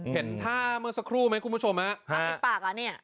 เห็นท่ามีสักครู่ไหมคุณผู้ชมนี่